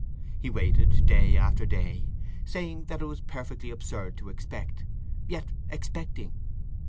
He waited day after day, saying that it was perfectly absurd to expect, yet expecting.